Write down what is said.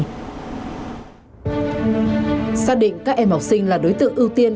xác định các em học sinh là đối tượng ưu tiên